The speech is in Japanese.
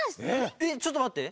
えっちょっとまって。